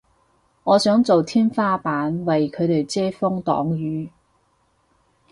我想做天花板為佢哋遮風擋雨